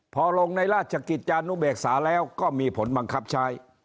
พอลงในราชกิจจานุเบกษาแล้วก็มีผลบังคับใช้